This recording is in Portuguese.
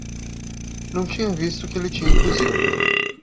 Não tinha visto que ele tinha um fuzil.